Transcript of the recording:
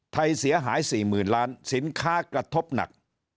ไทยเสียหาย๔๐๐๐ล้านสินค้ากระทบหนัก